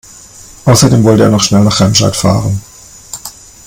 Außerdem wollte er noch schnell nach Remscheid fahren